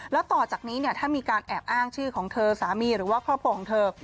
แล้วต่อจากนี้ถ้ามีการแอบอ้างชื่อของเธอสามีหรือว่าครอบครัวของเธอ